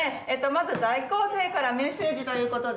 まず在校生からメッセージということで。